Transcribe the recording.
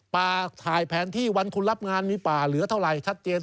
ป่าถ่ายแผนที่วันคุณรับงานมีป่าเหลือเท่าไหร่ชัดเจน